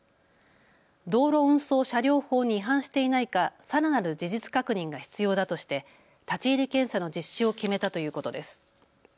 道路運送車両法に違反していないか、さらなる事実確認が必要だとして立ち入り検査の実施を決めたということです。